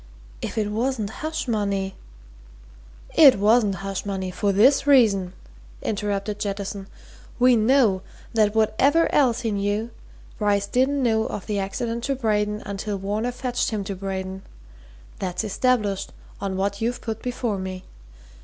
If it wasn't hush money " "It wasn't hush money, for this reason," interrupted Jettison. "We know that whatever else he knew, Bryce didn't know of the accident to Braden until Varner fetched him to Braden. That's established on what you've put before me.